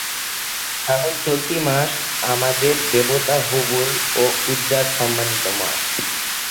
কারণ, চলতি মাস আমাদের দেবতা হুবল ও উযযার সম্মানিত মাস।